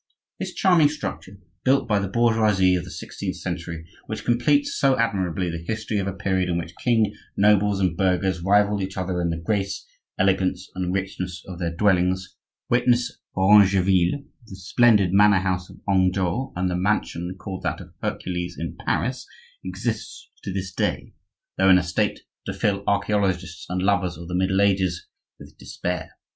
This charming structure, built by the bourgeoisie of the sixteenth century, which completes so admirably the history of a period in which king, nobles, and burghers rivalled each other in the grace, elegance, and richness of their dwellings (witness Varangeville, the splendid manor house of Ango, and the mansion, called that of Hercules, in Paris), exists to this day, though in a state to fill archaeologists and lovers of the Middle Ages with despair.